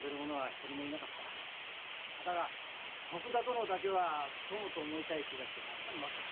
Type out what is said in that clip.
だが徳田殿だけは友と思いたい気がしてならんのです。